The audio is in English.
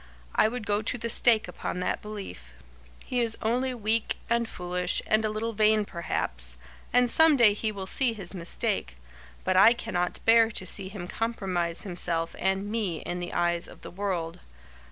I would go to the stake upon that belief. He is only weak and foolish and a little vain, perhaps, and some day he will see his mistake, but I cannot bear to see him compromise himself and me in the eyes of the world.